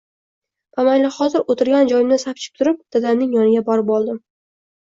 Bamaylixotir oʻtirgan joyimdan sapchib turib, dadamning yoniga borib oldim.